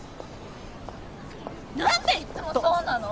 ・何でいっつもそうなの？